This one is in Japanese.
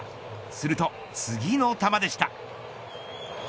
すると次の球でした。